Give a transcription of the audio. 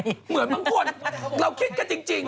เหมือนบางคนเราคิดกันจริง